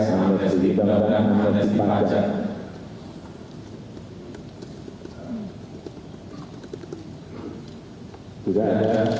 kita berhutang teras